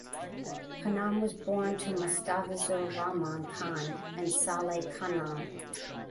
Khanam was born to Mustafizur Rahman Khan and Saleha Khanam.